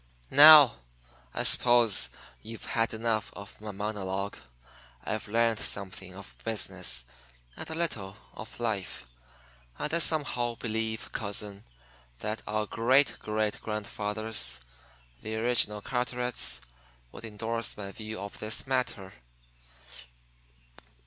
"Now, I suppose you've had enough of my monologue. I've learned something of business and a little of life; and I somehow believe, cousin, that our great great grandfathers, the original Carterets, would indorse my view of this matter."